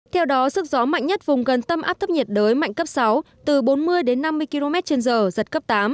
theo đó sức gió mạnh nhất vùng gần tâm áp thấp nhiệt đới mạnh cấp sáu từ bốn mươi đến năm mươi km trên giờ giật cấp tám